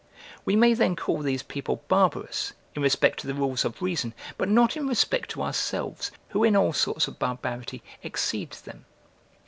We may then call these people barbarous, in respect to the rules of reason: but not in respect to ourselves, who in all sorts of barbarity exceed them.